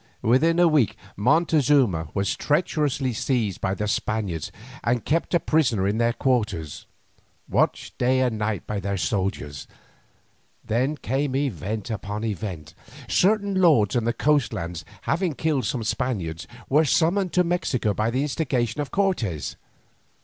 Within a week Montezuma was treacherously seized by the Spaniards and kept a prisoner in their quarters, watched day and night by their soldiers. Then came event upon event. Certain lords in the coast lands having killed some Spaniards, were summoned to Mexico by the instigation of Cortes.